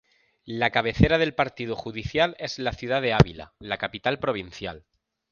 La cabecera del partido judicial es la ciudad de Ávila, la capital provincial.